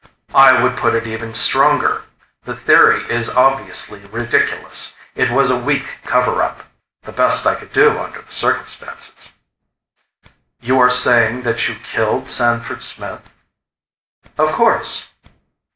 "I would put it even stronger. The theory is obviously ridiculous. It was a weak cover up. The best I could do under the circumstances." "You are saying that you killed Sanford Smith?" "Of course."